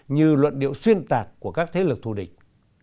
như luận điệu xuyên tạc của các thế lực thù địch